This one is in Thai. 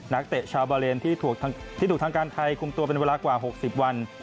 นักเตะชาวบาเลนที่ถูกที่ถูกทางการไทยคุมตัวเป็นเวลากว่า๖๐วัน